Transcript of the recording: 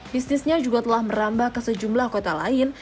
bisnisnya juga telah merambah ke sejumlah kota lain